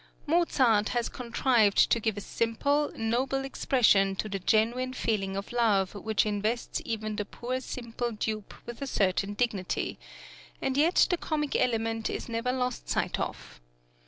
Mozart has contrived to give a simple, noble expression to the genuine feeling of love which invests even the poor simple dupe with a certain dignity; and yet the comic element is never lost sight of.